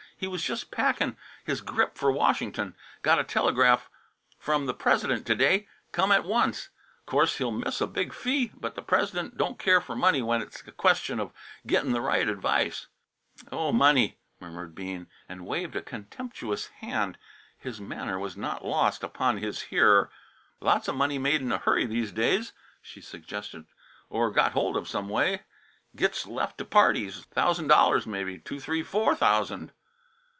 He was jes' packin' his grip f'r Wash'n'ton. Got a telegraph from the Pres'dent to day t' come at once. Of course he'll miss a big fee. The Pres'dent don't care f'r money when it's a question of gittin' th' right advice " "Oh, money!" murmured Bean, and waved a contemptuous hand. His manner was not lost upon his hearer. "Lots of money made in a hurry, these days," she suggested, "or got hold of some way gits left to parties thousand dollars, mebbe two, three, four thousand?"